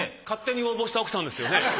勝手に応募した奥さんですよね？